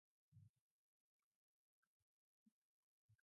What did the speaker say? Many trees are stunted because of the short growing season and severe climate.